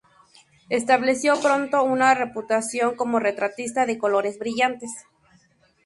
Estableció pronto una reputación como retratista, de colores brillantes.